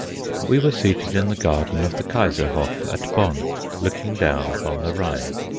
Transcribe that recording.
We were seated in the garden of the Kaiser Hof at Bonn, looking down upon the Rhine.